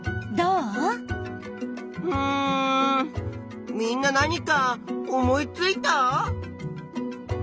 うんみんな何か思いついた？